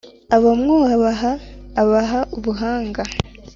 abamwubaha abaha ubuhanga.